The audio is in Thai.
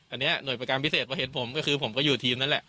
อันนี้หน่วยประการพิเศษพอเห็นผมก็คือผมก็อยู่ทีมนั่นแหละ